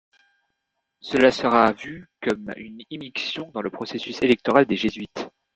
Cela sera vu comme une immixtion dans le processus électoral des Jésuites.